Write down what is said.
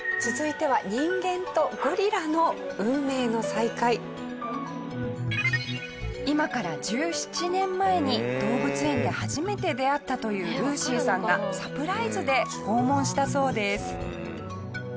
続いては今から１７年前に動物園で初めて出会ったというルーシーさんがサプライズで訪問したそうです。